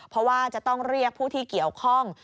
เพราะว่าจะต้องเรียกผู้ที่เกี่ยวข้อง